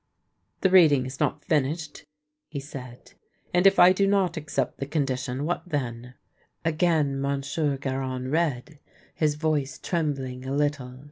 " The reading is not finished," he said. " And if I do not accept the condition, what then?" PARPON THE DWARF 221 Again Monsieur Garon read, his voice trembling a little.